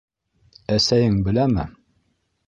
Әсәйең... беләме?